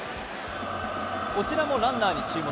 こちらもランナーに注目。